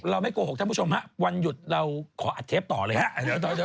เราไม่โกหกท่านผู้ชมหักวันหยุดเราขออัดเทปต่อเลยหักถึงตอนเนี้ย